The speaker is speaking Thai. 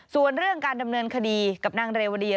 ส่วนเรื่องการดำเนินคดีกับนางเรวดี